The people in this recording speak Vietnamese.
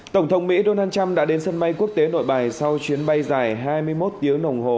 tổng thống mỹ donald trump đã đến sân bay quốc tế nội bài sau chuyến bay dài hai mươi một tiếng đồng hồ